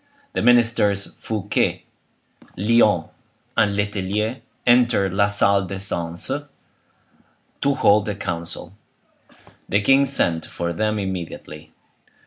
The ministers Fouquet, Lyonne, and Letellier entered la salle des seances, to hold a council. The king sent for them immediately.